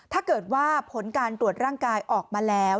ถ้าเกิดว่าผลการตรวจร่างกายออกมาแล้ว